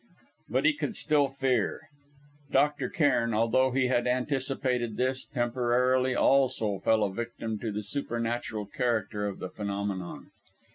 But he could still fear. Dr. Cairn, although he had anticipated this, temporarily also fell a victim to the supernatural character of the phenomenon.